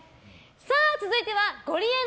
続いては、ゴリエの！